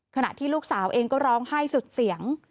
ขณะที่ลูกสาวเองก็ร้องไห้สุดเสียง